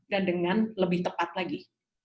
dan dengan lebih tepat lagi